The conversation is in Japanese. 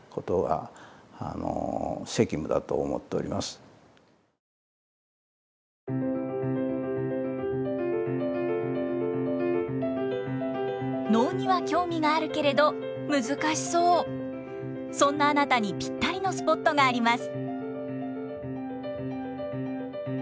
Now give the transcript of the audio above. とにかくこうやって能には興味があるけれど難しそうそんなあなたにぴったりのスポットがあります。